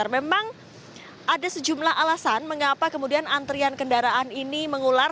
memang ada sejumlah alasan mengapa kemudian antrian kendaraan ini mengular